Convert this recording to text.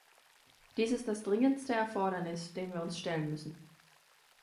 Dies ist das dringendste Erfordernis, dem wir uns stellen müssen.